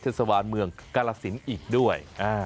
เทศสวรรค์เมืองกรสินอีกด้วย